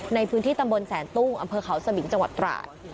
ในพื้นที่ตำบลแสนตุ้งอำเภอเขาสมิงจังหวัดตราด